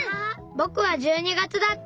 ぼくは１２月だった！